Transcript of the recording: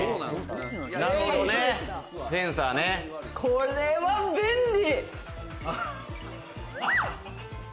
これは便利！